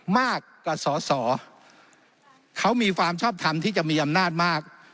มากกว่าสอสอเขามีความชอบทำที่จะมีอำนาจมาก